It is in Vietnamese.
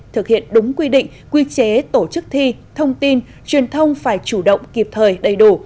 thực hiện đúng quy định quy chế tổ chức thi thông tin truyền thông phải chủ động kịp thời đầy đủ